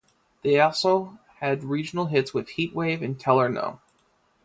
They also had regional hits with "Heat Wave" and "Tell Her No".